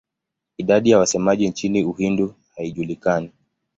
Idadi ya wasemaji nchini Uhindi haijulikani.